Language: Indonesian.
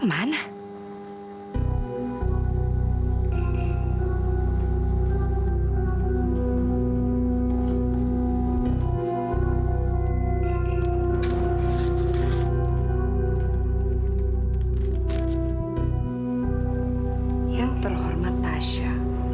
yang terhormat tasha